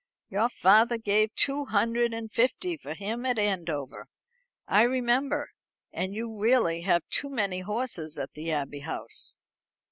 Your father gave two hundred and fifty for him at Andover, I remember. And you really have too many horses at the Abbey House."